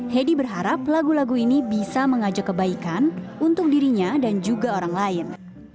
hedi berharap lagu lagu ini bisa mengajak kebaikan untuk dirinya dan juga orang lain